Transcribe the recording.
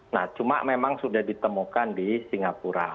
nah cuma memang sudah ditemukan di singapura